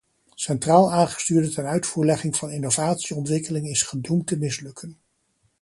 Centraal aangestuurde tenuitvoerlegging van innovatieontwikkeling is gedoemd te mislukken.